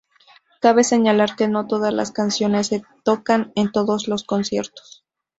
Cabe señalar que no todas las canciones se tocan en todos los conciertos.